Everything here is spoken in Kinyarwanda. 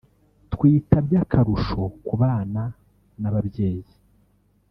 twita by’akarusho ku bana n’ababyeyi